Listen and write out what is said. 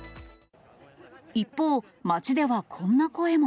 一方、街ではこんな声も。